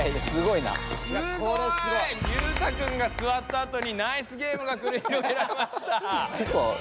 すごい！裕太くんがすわったあとにナイスゲームがくりひろげられました。